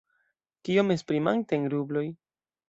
Kiom, esprimante en rubloj?